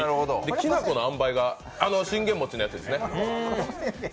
きな粉のあんばいがあの信玄餅のやつですね。